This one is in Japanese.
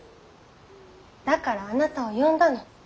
だからあなたを呼んだの。